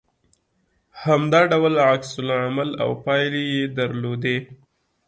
همدا ډول عکس العمل او پايلې يې درلودلې دي